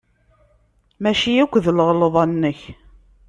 Maci akk d lɣelḍa-nnek.